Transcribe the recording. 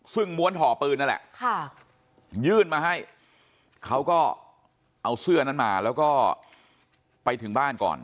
ซึ่งม้วนห่อปืนนั่นแหละยื่นมาให้เขาก็เอาเสื้อนั้นมาแล้วก็ไปถึงบ้านก่อน